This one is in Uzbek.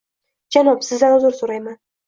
Janob, Sizdan uzr so'rayman